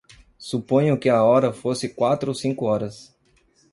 Suponho que a hora fosse quatro ou cinco horas.